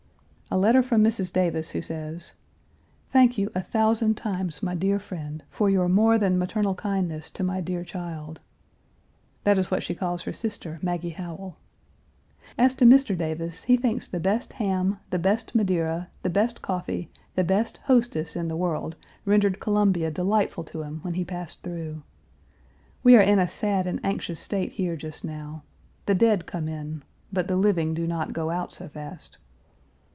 A letter from Mrs. Davis, who says: "Thank you, a thousand times, my dear friend, for your more than maternal kindness to my dear child." That is what she calls her sister, Maggie Howell. "As to Mr. Davis, he thinks the best ham, the best Madeira, the best coffee, the best hostess in the world, rendered Columbia delightful to him when he passed through. We are in a sad and anxious state here just now. The dead come in; but the living do not go out so fast.